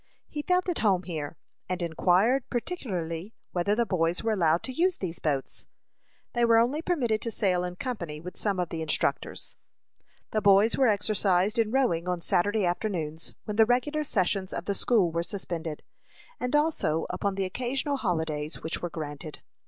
He felt at home here, and inquired particularly whether the boys were allowed to use these boats. They were only permitted to sail in company with some of the instructors. The boys were exercised in rowing on Saturday afternoons, when the regular sessions of the school were suspended, and also upon the occasional holidays which were granted.